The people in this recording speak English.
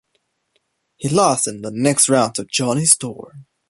He lost in the next round to Jonny Storm.